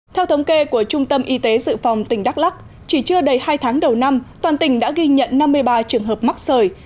theo thống kê của trung tâm y tế dự phòng tỉnh đắk lắc chỉ chưa đầy hai tháng đầu năm toàn tỉnh đã ghi nhận năm mươi ba trường hợp mắc sởi